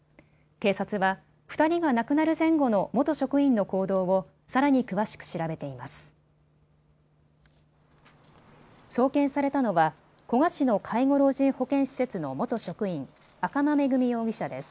警察は２人が亡くなる前後の元職員の行動をさらに詳しく調べています。